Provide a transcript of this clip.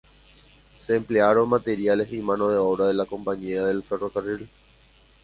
Se emplearon materiales y mano de obra de la Compañía del Ferrocarril.